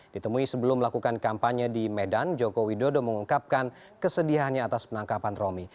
ditemui sebelum melakukan kampanye di medan joko widodo mengungkapkan kesedihannya atas penangkapan romi